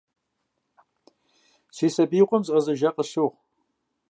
Си сабиигъуэм згъэзэжа къысщохъу.